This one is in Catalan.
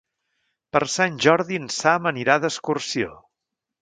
Per Sant Jordi en Sam anirà d'excursió.